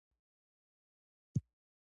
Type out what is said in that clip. مخامخ یې را حمله وکړه.